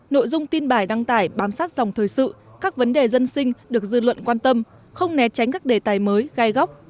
nội dung tin bài đăng tải bám sát dòng thời sự các vấn đề dân sinh được dư luận quan tâm không né tránh các đề tài mới gai góc